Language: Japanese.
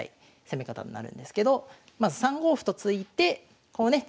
攻め方になるんですけどまず３五歩と突いてこうね